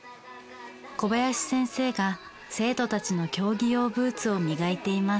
小林先生が生徒たちの競技用ブーツを磨いています。